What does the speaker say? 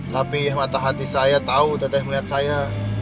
tapi mata hati saya tahu teteh melihat saya